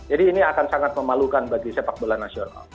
jadi ini akan sangat memalukan bagi sepak bola nasional